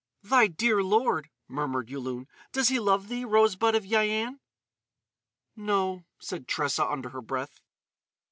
"Thy dear lord," murmured Yulun. "Does he love thee, rose bud of Yian?" "No," said Tressa, under her breath.